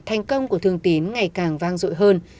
thành công của thương tín ngày càng vang rội hơn